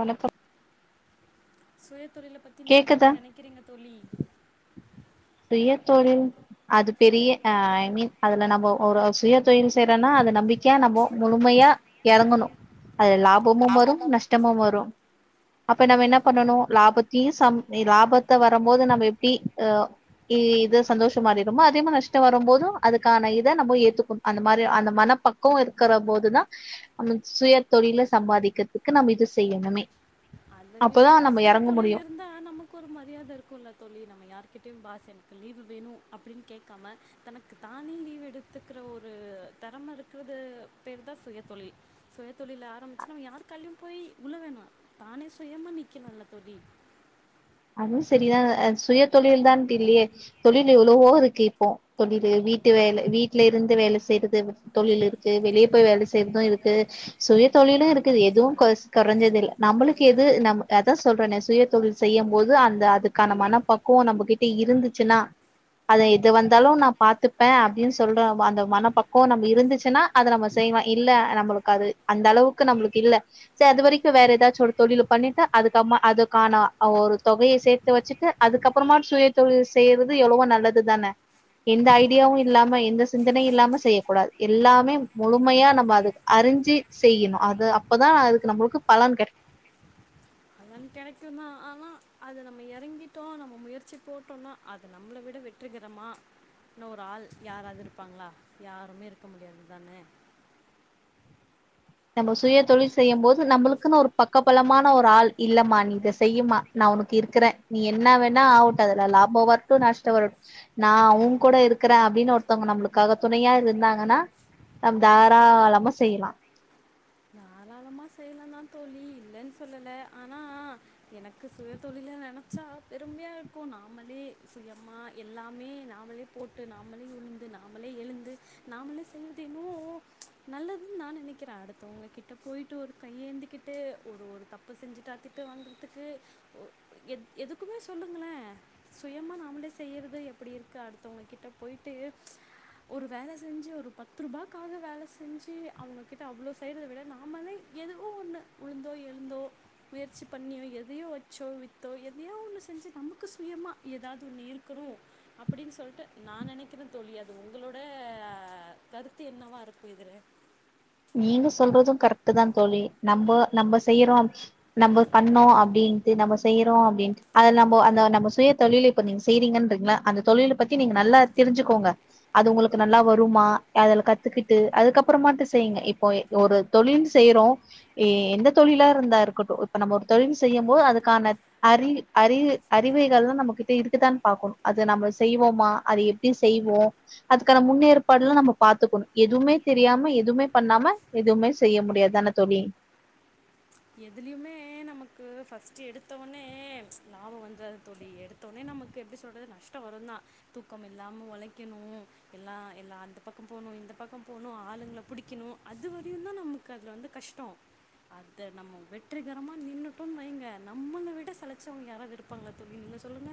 வணக்கம் சுயதொழில பத்தி நீங்க கேக்குதா என்ன நெனைக்கிறீங்க தோழி சுயதொழில் அது பெரிய அ ஐ மீன் அதுல நம்ம ஒரு சுயதொழில் செய்யறோன்னா அது நம்பிக்கையா நம்மோ முழுமையா எறங்கணு அதுல லாபமும் வரு நஷ்டமு வரு அப்ப நம்ம என்ன பண்ணணு லாபத்தையு சம் லாபத்த வரும்போது நம்ம எப்டி அ இது சந்தோஷமாறிருமோ அதே மாரி நஷ்ட வரும் போதும் அதுக்கான இத நம்ம ஏத்துக்கனு அந்த மாரி அந்த மனபக்குவோ இருக்கிற போதுதா நம்ம சுய தொழில சம்பாதிக்கறதுக்கு நம்ம இதுசெய்யணுமே அத விட சுய தொழில் இருந்தா நமக் க்கு ஒரு மரியாத இருக்குல்ல தோழி நம்ம யாருகிட்டயு பாஸ் எனக்கு லீவு வேணு அப்டின்னு கேக்காம தனக்கு தானே லீவ் எடுத்துக்கிற ஒரு தெறம இருக்கிறது பேர்தா சுயதொழில் சுயதொழில ஆரம்பிச்சு நம்ம யாரு கால்லயு போய் உள வேணா தானே சுயமா நிக்கணுல்ல தோழி அதுவு சரிதா சுயதொழில் தான்ட்டு இல்லயே தொழில் எவ்வளவோ இருக்கு இப்போ தொழிலு வீட்டு வேல வீட்டுலயிருந்து வேல செய்றது தொழில் இருக்கு வெளிய போய் வேல செய்றது இருக்கு சுயதொழிலு இருக்குது எதுவு கொ கொறஞ்சது இல்ல நம்மளுக்கு எது நம் அதா சொல்றன சுயதொழில் செய்ய போது அந்த அதுக்கான மனப்பக்குவோ நம்மகிட்ட இருந்துச்சுன்னா அத எது வந்தாலு நா பாதுப்ப அப்டின்னு சொல்ற அந்த மனப்பக்குவோ நம்ம இருந்துச்சுன்னா அத நம்ம செய்வோ இல்ல நம்மளுக்கு அது அந்த அளவுக்கு நம்ளுக்கு இல்ல ச அது வரைக்கு வேற ஏதாச்சு ஒரு தொழில் பண்ணிட்டா அதுக்கம்மா அதுக்கான ஒரு தொகைய சேத்து வச்சுட்டு அதுக்கப்றமா சுயதொழில் செய்றது எவ்ளவோ நல்லதுதான எந்த ஐடியாவு இல்லாம எந்த சிந்தனையு இல்லாம செய்ய கூடாது எல்லாமே முழுமையா நம்ம அது அறிஞ்சு செய்யிணு அது அப்பதா அதுக்கு நம்ளுக்கு பலன் கெடைக் பலன் கெடைக்குந்தா ஆனா அது நம்ம எறங்கிட்டோ நம்ம முயற்சி போட்டோனா அது நம்ள விட வெற்றிகறமா இன்னு ஒரு ஆள் யாராவது இருப்பாங்ளா யாருமே இருக்க முடியாது தானே நம்ம சுய தொழில் செய்யும் போது நம்ளுக்குனு ஒரு பக்கபலமான ஒரு ஆள் இல்லமா நீ இத செய்யுமா நா உனக்கு இருக்கறே நீ என்ன வேணா ஆவுட்டு அதல லாபோ வரு ட்டு நஷ்டவருட் நா ஊங் கூட இருக்கற அப்டினு ஒருத்தவுங்க நம்ளுக்காக துணையா இருந்தாங்கனா நம் தாராளமா செய்யலா தாராளமா செய்லாந்தாந் தோழி இல்லன் சொல்லல ஆனா எனக்கு சுயத்தொழில நெனச்சா பெரும்மியா இருக்கோ நாம்மளே சுயமா எல்லாமே நாமளேப் போட்டு நாமளே வுழுந்து நாமளே எழுந்து நாமளு செயல்தினோ நல்லதுன் நா நெனைக்கிறே அடுத்தவுங்க கிட் கிட்ட போய்ட்டு ஒரு கையேந்திகிட்டு ஒரு ஒரு தப்பு செஞ்சிட்டா திட்டு வங்கறதுக்கு ஒ எத் எதுக்குமே சொல்லுங்களே சுயமா நாமளே செய்றது எப்டி இருக்கு அடுத்தவுங்க கிட்ட போயிட்டு ஒரு வேல செஞ்சு ஒரு பத்து ருபாக்காக வேல செஞ்சி அவுங்ககிட்ட அவ்ளோ செய்றத விட நா நம்மளே எதுவோ ஒன்னு உழுந்தோ எழுந்தோ முயற்சி பண்ணியோ எதையோ வெச்சோ வித்தோ எதையோ ஒன்னு செஞ்சு நமக்கு சுயமா எதாது ஒன்னு இருக்கனு அப்டின் சொல்ட்டு நா நெனைக்கறேந் தோழி அது உங்களோட கருத்து என்னவா இருக்கு இதுல நீங்க சொல்றது கரெக்ட்டுதா தோழி நம்போ நம்ப செய்யறோம் நம்ம பண்ணோ அப்டின்ட்டு நம்ம செய்யறோ அப்டின்ட்டு அதல நம்போ அந்த நம்ப சுயத் தொழிலுப் இப்ப நீங்க செய்றீங்கன்றீங்ளே அந்த தொழிலப் பத்தி நீங்க நல்லா தெரிஞ்சுகோங்க அது உங்குளுக்கு நல்லா வருமா அதுல கத்துகிட்டு அதுக்கப்பறமாட்டுச் செய்ங்க இப்போ எ ஒரு தொழில் செய்றோ எ எந்த தொழிலா இருந்தா இருக்கட்டு இப்ப நம்ம ஒரு தொழில் செய்யும் போது அதுக்கான அறி அறி அறிவைகள்தா நம்மகிட்ட இருக்குதான் பாக்கணு அது நம்ம செய்வோமா அது எப் டி செய்வோ அதுக்கான முன்னேற்ப்பாடுலா நம்ம பாத்துக்கணு எதுமே தெரியாம எதுமேப் பண்ணாம எதுவுமே செய்ய முடியாத்தான தோழி எதுலியுமே நமக்கு ஃபஸ்ட்டு எடுத்தவொன்னே லாபோ வந்த்ராது தோழி எடுத் தோனே நமக்கு எப்டி சொல்றது நஷ்டோ வருந்தா தூக்கம் இல்லாம ஒழைக்கணு எல்லா எல்லா அந்தப் பக்கம் போணு இந்தப் பக்கம் போணு ஆளுங்ள புடிக்கிணு அதுவரையுந்தா நமக்கு அதல வந்து கஷ்டோ த்த நம்ம வெற்றிகரமா நின்னுட்டோன் வைங்க நம்மள விட சலச்சவுங்க யாராது இருப்பாங்ளா தோழி நீங்க சொல்லுங்க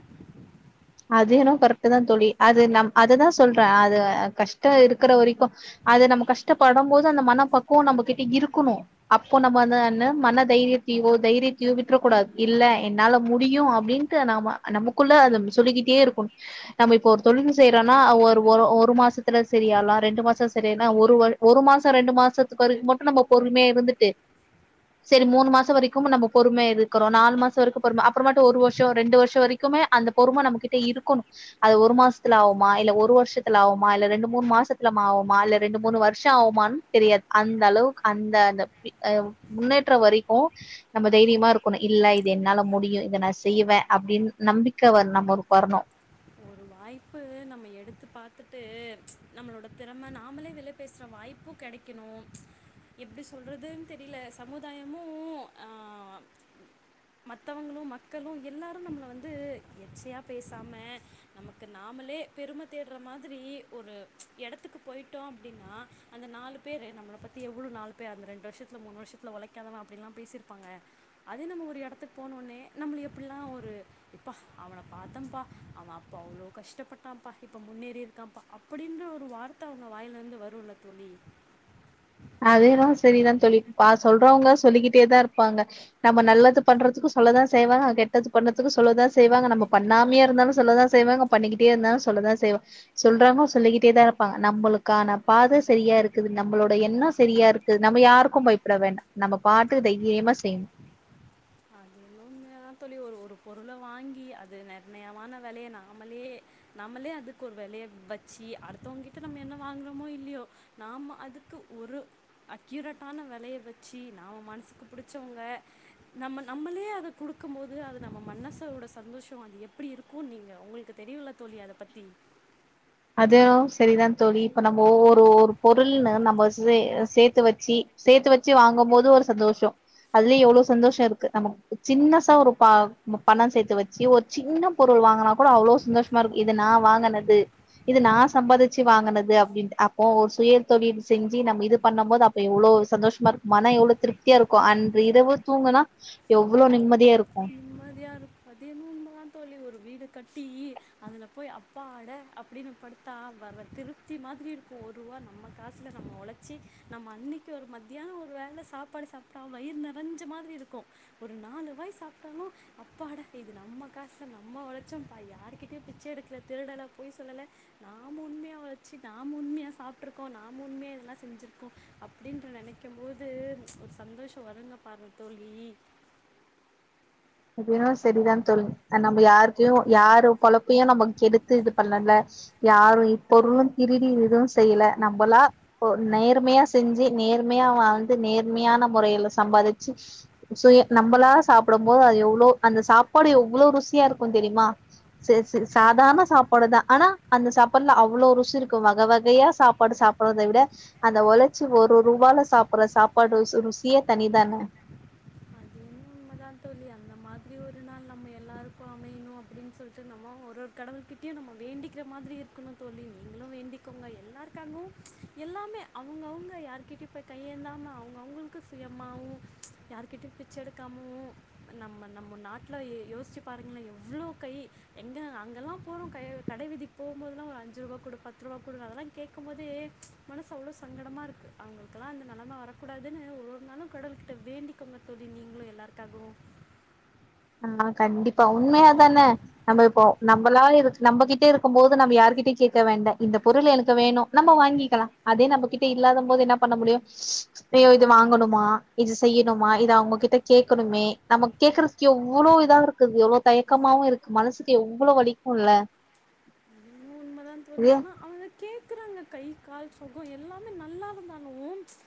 அது என்னவோ கரெக்ட்டுதாந் தோழி அது நம் அததா சொல்றே அது அ கஷ்டோ இருக்கிற வரைக்கு அது நம்ம கஷ்டப்படம் போது அந்த மனப்பக்குவோ நம்பகிட்ட இருக்குணு அப்போ நம்ப அந்த அன மனதைரியத்தியோ தைரியத்தியோ விட்றக்கூடாது இல்ல என்னால முடியு அப்டின் ட்டு நாம நமக்குள்ள அதும் சொல்லிகிட்டே இருக்குன் நம்ம இப்போ ஒரு தொழிலு செய்றோனா ஒரு ஒரு ஒரு மாசத்துல சரியாலா ரெண்டு மாசோ சரியானா ஒரு வரு ஒரு மாசோ ரெண்டு மாசத்துக்கு வரைக் மட்டு நம்ம பொறுமையா இருந்துட்டு சரி மூனு மாசவரைக்கும் நம்ம பொறுமையா இருக்கறோ நாலு மாசோ வரைக்கு பொறும அப்பறமாட்டு ஒரு வருஷோ ரெண்டு வருஷோ வரைக் க்குமே அந்த பொறும நம்ம கிட்ட இருக்குணு அது ஒரு மாசத்துல ஆவுமா இல்ல ஒரு வருஷத்துல ஆவுமா இல்ல ரெண்டு மூன் மாசத்துல மாவுமா இல்ல ரெண்டு மூனு வருஷோ ஆவுமான் தெரியாது அந்தளவுக்கு அந்த அந்த பி அ முன்னேற்ற வரைக்கு நம்ம தைரியமா இருக்கணு இல்ல இது என்னால முடியு இத நா செய்வே அப்டின் நம்பிக் க்க வர் நம்ம ஒருக் வர்னு ஒரு வாய்ப்பு நம்ம எடுத்து பாத்துட்டு நம்மளோடத் திறம நாம்மளே வெளப் பேசுற வாய்ப்பு கெடைக்கணும். எப்டி சொல்றதுன் தெரியல சமுதாயமு ஆ மத்தவங்களும் மக்களும் எல்லாரும் நம்மள வந்து எச்சையா பேசாம நமக்கு நாமளே பெரும தேடுற மாதிரி ஒரு எடத்துக்கு போயிட்டோம் அப்டின்னா அந்த நாலு பேரு நம்மள பத்தி எவ்ளோ நாலு பேரு ரெண்டு வருஷத்துல மூணு வருஷத்துல உழக்காதவங்க அப்டின்ல்லாம் பேசிருப்பாங்க அதே நம்ம ஒரு எடத்துக்கு போன உன்னே நம்மள எப்படிலாம் ஒரு ப்பா அவன பார்த்தன்ப்பா அவன் இப்போ அவ்ளோ கஷ்டபட்டான்ப்பா இப்போ முன்னேறி இருக்கான்ப்பா அப்படின்ற ஒரு வார்த்த அவங்க வாய்லருந்து வரும்ல தோழி அது என்னவோ சரி தான் தோழி பா சொல்றவங்க சொல்லிக்கிட்டே தான் இருப்பாங்க நம்ம நல்லது பண்றதுக்கும் சொல்லதான் செய்வாங்க கெட்டது பண்றதுக்கும் சொல்லதான் செய்வாங்க நம்ம பண்ணாமயே இருந்தாலும் சொல்லதான் செய்வாங்க பண்ணிக்கிட்டே இருந்தாலும் சொல்லதான் செய்வ சொல்றவங்க சொல்லிக்கிட்டே தான் இருப்பாங்க நம்மளுக்கான பாதை செரியா இருக்குது நம்மளோட எண்ணம் செரியா இருக்கு நம்ம யாருக்கும் பயப்பட வேண்டாம் நம்ம பாட்டு தைரியமா செய் அதே [unintelligible] ஏன் தோழி ஒரு ஒரு பொருள வாங்கி அது நெர்ணயமான வெலைய நாமலே நம்மளே அதுக்கு ஒரு வெலைய வச்சி அடுத்தவங்க கிட்ட நம்ம என்ன வாங்குறமோ இல்லையோ நாம அதுக்கு ஒரு அக்யூரட்டான வெலய வெச்சி நாம மனசுக்கு புடிச்சவங்கள நம்ம நம்மளே அத குடுக்கும் போது அது நம்ம மனசோட சந்தோஷம் அது எப்பிடி இருக்கும் நீங்க உங்களுக்கு தெரியுல்ல தோழி அத பத்தி அதுவும் செரிதான் தோழி இப்ப நம்ம ஒவ்வொரு ஒரு பொருள் நம்ம சே சேத்து வச்சி சேத்து வச்சி வாங்கும் போது ஒரு சந்தோஷம் அதுலயே எவ்ளோ சந்தோஷம் இருக்கு நம்ம சின்ன சா பா பணம் சேத்து வச்சி ஒரு சின்ன பொருள் வாங்கனா கூட அவ்ளோ சந்தோஷமா இருக்கு இது நான் வாங்கனது இது நா சம்பாதிச்சி வாங்கனது அப்டின்டு அப்போ ஒரு சுயத்தொழில் செஞ்சி நம்ம இது பண்ணும் போது எவ்ளோ சந்தோஷமா இருக்கும் மனம் எவ்ளோ திருப்தியா இருக்கும் அன்று இரவு தூங்குனா எவ்ளோ நிம்மதியா இருக்கும் நிம்மதியாக பதிமூனு தான் தோழி ஒரு வீடு கட்டி அதுல போய் அப்பாட அப்படின்னு படுத்தா வர திருப்தி மாதிரி இருக்கும் ஒரு ரூவா நம்ம காசுல நம்ம உழச் சி நம்ம அன்னைக்கு ஒரு மத்தியானம் ஒரு வேல சாப்பாடு சாப்டா வயிர் நெறஞ்ச மாதிரி இருக்கும் ஒரு நாலு வாய் சாப்டாலும் அப்பாடா இது நம்ம காசு நம்ம ஒழச்சம் பா யார்கிட்டயும் பிச்ச எடுக்கல திருடல பொய் சொல்லல நாம் உண்மையா ஒழச்சி நாம் உண்மையா சாப்பிட்டுருக்கோம் நாம் உண்மையா இதெல்லாம் செஞ்சிருக்கோம் அப்டின்டு நெனைக்கும் போது ஒரு சந்தோஷம் வருங்க பாரு தோழி அப்பயும் செரிதான் தோழி நம்ம யாருக்கு யாரு பொலப்பியும் நம்ம கெடுத்து இது பண்ணல யாரும் இப்பொருளும் திருடி இதுவும் செய்யல நம்மளா ஓ நேர்மையா செஞ்சி நேர்மையா வாழ்ந்து நேர்மையான முறையில சம்பாதிச்சி சுய நம்பளா சாப்பிடும் போது அது எவ்ளோ அந்த சாப்பாடு எவ்ளோ ருசியா இருக்கும் தெரியுமா செரி செரி சாதாரண சாப்பாடு தான் ஆனா அந்த சாப்பாடுல அவ்ளோ ருசி இருக்கும் வக வகையா சாப்பாடு சாப் போரத விட அந்த ஒழச்சி ஒரு ரூபால சாப்பற சாப்பாடு ருசியே தனிதான உண்ம தான் தோழி அந்த மாதிரி ஒரு நாள் நம்ம எல்லாருக்கும் அமையணும் அப்படின்னு சொல்ட்டு நம்ம ஒரு கடவுள்கிட்டயும் நம்ம வேண்டிக்கிற மாதிரி இருக்கணும் தோழி நீங்களும் வேண்டிக்கோங்க எல்லாருக்காகவும் எல்லாமே அவுங்க அவுங்க யார் கிட்டயும் போய் கைய் ஏந்தாம அவுங்க அவுங்களுக்கு சுயமாகவும் யாருகிட்டயும் பிச்ச எடு க்காமு நம்ம நம்ம நாட்ல யோசிச்சு பாருங்களேன் எவ்ளோ கை எங்க அங்கெல்லாம் போறோம் கை கடை வீதிக்கு போகும்போதெல்லாம் ஒரு அஞ்சு ரூபா குடு பத்து ரூபா குடு அதெல்லாம் கேட்கும் போதே மனசு அவ்ளோ சங்கடமா இருக்கு அவுங்களுக்கெல்லாம் அந்த நெலம வரக்கூடாதுன்னு ஒவ்வொரு நாளும் கடவுள் கிட்ட வேண்டிக்கோங்க தோழி நீங்களு எல்லாருக்காகவும் ஆமா கண்டிப்பா உண்மையா தான நம்ப இப்போ நம்பளா இருக்க நம்பகிட்ட இருக்கும் போது நம்ப யாருகிட்டயு கேட்க வேண்டா இந்த பொருள் எனக்கு வேணு நம்ம வாங்கிக்கலா அதே நம்பகிட்ட இல்லாத போது என்ன பண்ண முடியு அய்யோ இது வாங்கணுமா? இது செய்யுணுமா? இத அவுங்ககிட்ட கேட்கணுமே? நமக் கேக்குற எவ்ளோ இதா இருக்குது எவ்ளோ தயக்கமாவுன் இருக்கு மனசுக்கு எவ்ளோ வலிக்கும் இல்ல மா தோழி ஆனா அவுங்க கேக்குறாங்க கை கால் சொகம் எல்லாமே நல்லா இருந்தாலும்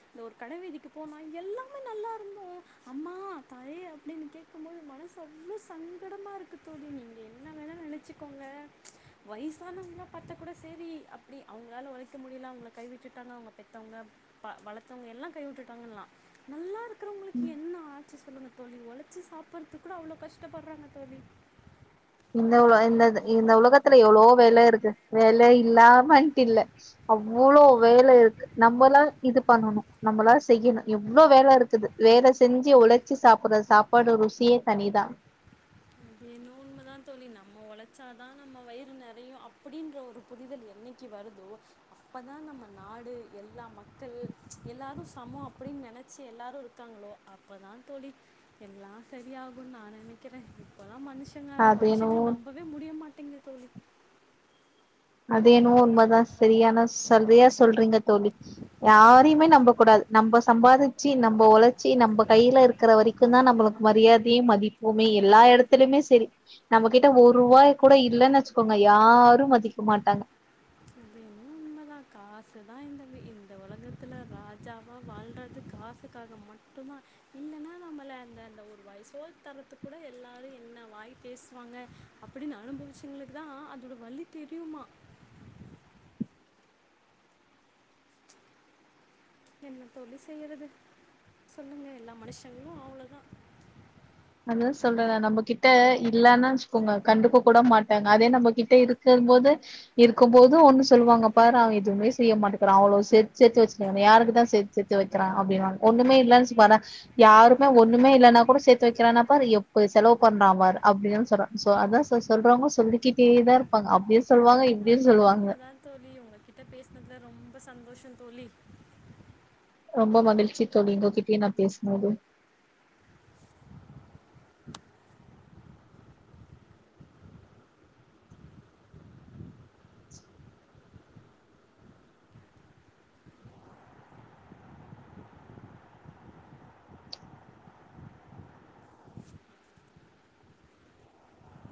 இந்த ஒரு கடவீதிக்குப் போனா எல்லாமே நல்லா இருந்தும் அம்மா தாயே அப்பிடின்னு கேக் க்கும்போது மனசு அவ்ளோ சங்கடமா இருக்கு தோழி நீங்க என்ன வேணா நெனச்சுக்கோங்க வயசானவங்க பாத்தா கூட சேரி அப்பிடி அவ்ங்ளால ஒழைக்க முடியல அவங்கள கைவிட்டுட்டாங்க அவங்க பெத்தவங்க ப வளத்தவங்க எல்லாம் கை விட்டுட்டாங்கன்லாம் நல்லா இருக்குறவங்களுக்கு என்ன ஆச்சி சொல்லுங்க தோழி ஒழச்சி சாப்பிட்றது கூட அவ்ளோ கஷ்டப்படுறாங்க தோழி இந்த உல இந்த இந்த உலகத்துல எவ்ளோ வேல இருக்கு வேல இல்லாமன்ட்டு இல்லே அவ்ளோ வேல இருக்கு நம்மல்லா இது பண்ணனும் நம்மளா செய்யுணு எவ்வளோ வேல இருக்கு வேல செஞ்சு ஒழைச்சு சாப்பிடுற சாப்பாடு ருசியே தனிதா ஏனோ உண்ம தா தோழி நம்ம ஒழச்சா தான் நம்ம வயிறு நெறையும் அப்பிடின்ற ஒரு புரிதல் என்னைக்கு வருதோ அப்பதா நம்ப நாடு எல்லா மக்கள் எல்லாரும் சமோம் அப்பிடின்னு நெனச்சி எல்லாரும் இருக்காங்களோ அப்ப தா தோழி எல்லா சரியாகுன்னு நான் நெனைக்கிறேன் இப்போலா மனுஷங்க அது மனுஷங்கள என்னவோ நம்பவே முடிய மாட்டேங்குது தோழி அது என்னவோ உண்ம தா சரியானா சரியா சொல்றீங்க தோழி யாரையுமே நம்பக் கூடாது நம்ப சம்பாரிச்சு நம்ப ஒழச்சி நம்ப கையில இருக்கிற வரைக்குந் தா நம்பளுக்கு மரியாதையு மதிப்பு ப்புமே எல்லா எடத்துலயுமே செரி நம்மகிட்ட ஒரு ரூவாய் கூட இல்லன்னு வச்சுக்கோங்க யாரும் மதிக் க்க மாட்டாங்க ண்ம தா காசு தான் இந்த வே இந்த உலகத்தில ராஜாவா வாழ்றது காசுக்காக மட்டு தான் இல்லேன்னா நம்மள அந்த அந்த ஒரு வாய் சோற் தரத்துக் கூட எல்லாரும் என்ன வாய் பேசுவாங்க அப்பிடின்னு அனுபவிச்சவங்ளுக்குத் தா அதோட வலி தெரியுமா என்ன தோழி செய்யறது சொல்லுங்க எல்லா மனுஷங்களும் அவ்ளோதா அதா சொல்றேனே நம்ப கிட்ட இல்லேன்னு வச்சுக்கோங்க கண்டுக்க கூட மாட்டாங்க அதே நம்ப கிட்ட இருக்கும் போது இருக்கும்போது ஒன்னு சொல்லுவாங்க பாரு அவன் எதுவுமே செய்ய மாட்டேங்றான் அவ்ளோ சேத் சேத்து வச்சிருக்கேன் யாருக்கு தா சேத் சேத்து வக்கிறான் அப்பிடின்னுவாங்க ஒண்ணுமே இல்லேன்னு பாறேன் யாருமே ஒண்ணுமே இல்லன்னா கூட சேத் த்து வக்கிறானா பார் எப்டீ செலவு பண்றா பார் அப்பிடின்னு சொல்றா அதா ச சொல்றவங்க சொல்லிக்கிட்டேதா இருப்பாங்க அப்பிடியே அது என்னவோ உண்மதா தோழி உங்கக்கிட்ட பேசுனதுல ரொம்ப சந்தோஷம் தோழி ரொம்ப மகிழ்ச்சி தோழி உங்க கிட்டயு நான் பேசும்போது